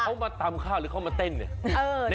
เขามาตำข้าวหรือเขามาเต้นอย่างเงี้ยเออ